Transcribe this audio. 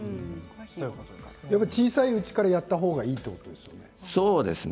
やっぱり小さいうちからやったほうがいいということですね？